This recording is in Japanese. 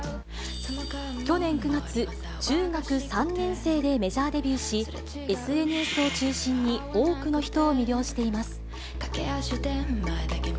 去年９月、中学３年生でメジャーデビューし、ＳＮＳを中心に多くの人を魅了しています。